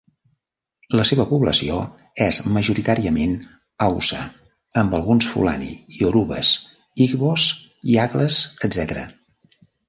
La seva població és majoritàriament haussa amb alguns fulani, iorubes, igbos, iagles, etc.